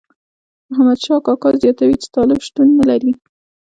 محمد شاه کاکا زیاتوي چې طالب شتون نه لري.